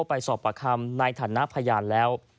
ไปสอบประคำในฐานะพยานแล้ว